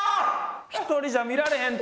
一人じゃ見られへんて。